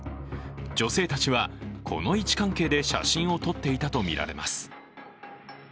女性たちはこの位置関係で写真を撮っていたとみられます。